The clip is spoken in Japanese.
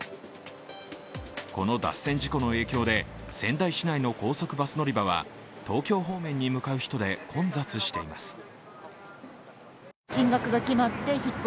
この脱線事故の影響で仙台市内の高速バス乗り場は東京方面に向かう人で混雑しています。